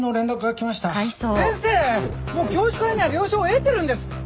もう教授会には了承を得てるんです。